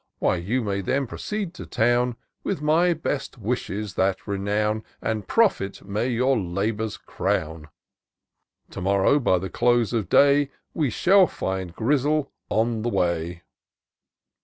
Why you may then proceed to town, With my best wishes that renown And profit may your labours crown. To morrow, by the close of day, We shall find Grizzle on the way."